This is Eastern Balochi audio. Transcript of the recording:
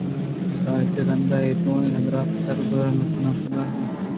ساعتے رند اے دوئیں درپ آپ ءِ سرا اوژناگ کنانءَ پدّر بُوتنت